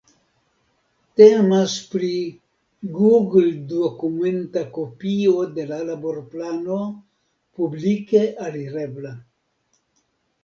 Temas pri google-dokumenta kopio de la laborplano publike alirebla.